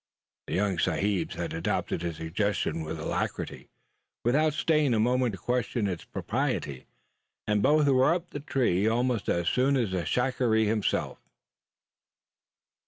The young sahibs had adopted his suggestion with alacrity, without staying a moment to question its propriety; and both were up the tree almost as soon as the shikaree himself.